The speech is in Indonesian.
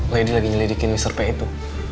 lady lagi ngeledekin mister p itu